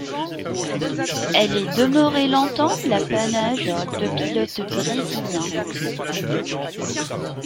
Elle est demeurée longtemps l'apanage de pilotes brésiliens.